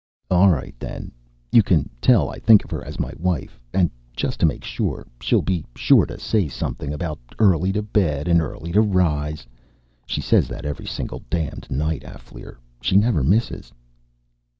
"All right, then. You can tell I think of her as my wife. And just to make sure, she'll be sure to say something about early to bed and early to rise; she says that every single damned night, Alféar! She never misses."